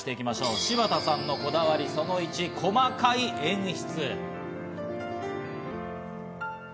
柴田さんのこだわり、その１、細かい演出。